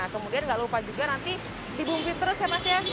kemudian nggak lupa juga nanti dibungkit terus ya mas ya